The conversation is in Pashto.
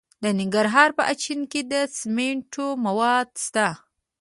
د ننګرهار په اچین کې د سمنټو مواد شته.